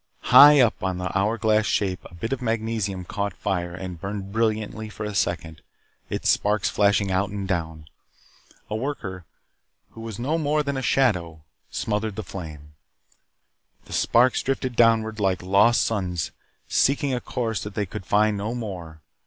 High up on the hour glass shape a bit of magnesium caught fire and burned brilliantly for a second, its sparks flashing out and down. A worker, who was no more than a shadow, smothered the flame. The sparks drifted downward like lost suns seeking a course that they could find no more.